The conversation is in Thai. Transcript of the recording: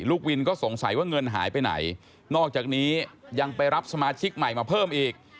ลูกวินก็สงสัยว่าเงินหายไปไหนนอกจากนี้ยังไปรับสมาชิกใหม่มาเพิ่มอีก